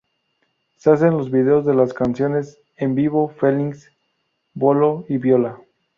Se hacen los videos de las canciones en Vivo feelings, Volo y Viola.